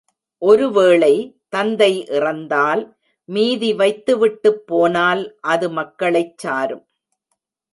ஒரு வேளை தந்தை இறந்தால், மீதி வைத்து விட்டுப் போனால் அது மக்களைச் சாரும்.